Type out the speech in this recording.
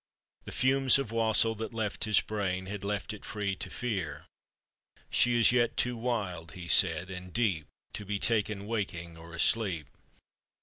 The fumes of wassail that left his brain Had left it free to fear; " She is yet too wild," he said, " and deep To be taken waking or asleep."